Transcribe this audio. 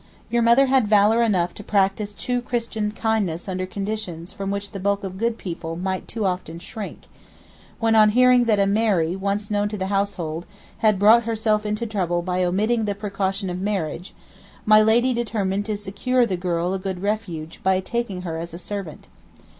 Your mother had valour enough to practise true Christian kindness under conditions from which the bulk of "good people" might too often shrink; when on hearing that a "Mary" once known to the household had brought herself into trouble by omitting the precaution of marriage, my lady determined to secure the girl a good refuge by taking her as a servant.